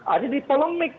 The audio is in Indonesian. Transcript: ada di polemik